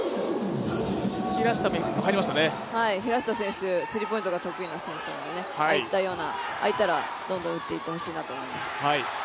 平下選手、スリーポイントが得意な選手なので空いたら、どんどん打っていってほしいなと思います。